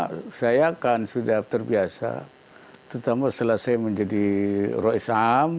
tapi saya kan sudah terbiasa terutama setelah saya menjadi roh esam